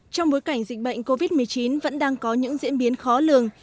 trong bối cảnh dịch bệnh covid một mươi chín vẫn đang có những diễn biến khó lường